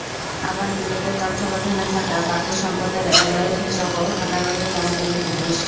আবার নিজেদের তত্ত্বাবধানে থাকা বাকি সম্পদের আয়-ব্যয়ের হিসাবও আদালতে জমা দেয়নি পুলিশ।